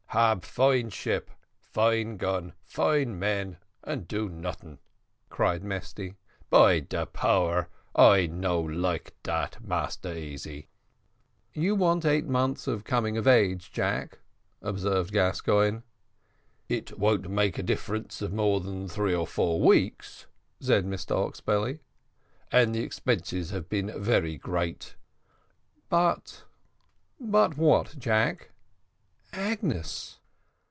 "Hab fine ship, fine gun, fine men, and do noting," cried Mesty. "By de power, I no like dat, Massa Easy." "You want eight months of coming of age, Jack," observed Gascoigne. "It won't make a difference of more than three or four weeks," said Mr Oxbelly; "and the expenses have been very great." "But " "But what, Jack?" "Agnes."